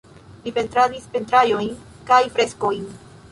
Li pentradis pentraĵojn kaj freskojn.